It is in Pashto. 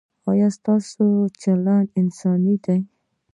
ایا ستاسو چلند انساني دی؟